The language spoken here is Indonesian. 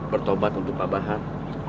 bertobat untuk pak bahar